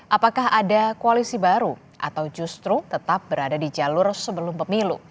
apakah ada koalisi baru atau justru tetap berada di jalur sebelum pemilu